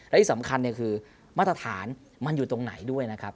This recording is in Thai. และที่สำคัญคือมาตรฐานมันอยู่ตรงไหนด้วยนะครับ